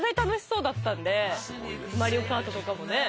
「マリオカート」とかもね